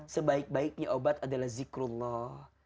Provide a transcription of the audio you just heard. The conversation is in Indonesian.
sebaik baiknya obat adalah zikrullah